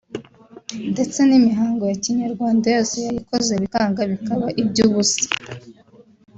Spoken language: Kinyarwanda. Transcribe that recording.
ndetse n’imihango ya Kinyarwanda yose yayikoze bikanga bikaba iby’ubusa